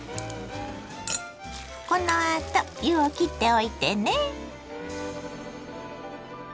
このあと湯をきっておいてね。